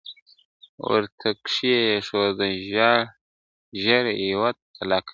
ورته کښې یې ښوده ژر یوه تلکه ..